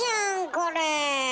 これ。